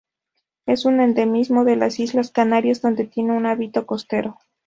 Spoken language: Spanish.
Es un endemismo de las Islas Canarias, donde tiene un hábito costero.